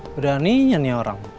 beraninya nih orang